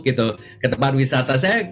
gitu ke tempat wisata saya